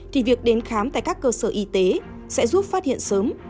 thì việc đến khám tại các cơ sở y tế sẽ giúp phát hiện sớm